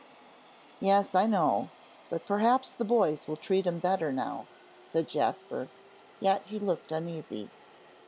"Yes, I know; but perhaps the boys will treat him better now," said Jasper, yet he looked uneasy.